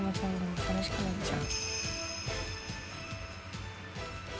寂しくなっちゃう。